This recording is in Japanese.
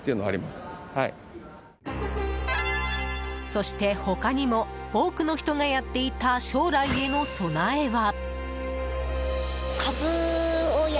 そして他にも多くの人がやっていた将来への備えは。